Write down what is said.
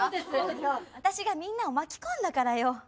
私がみんなを巻き込んだからよ。